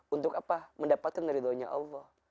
untuk apa mendapatkan ridhonya allah